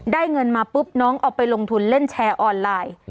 เงินมาปุ๊บน้องเอาไปลงทุนเล่นแชร์ออนไลน์